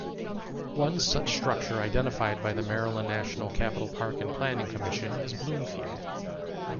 One such structure identified by the Maryland-National Capital Park and Planning Commission is Bloomfield.